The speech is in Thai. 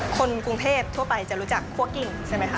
คนกรุงเทพทั่วไปจะรู้จักคั่วกิ่งใช่ไหมคะ